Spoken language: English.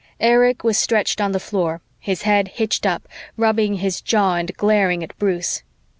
Erich was stretched on the floor, his head hitched up, rubbing his jaw and glaring at Bruce.